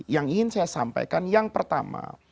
yang ingin saya sampaikan yang pertama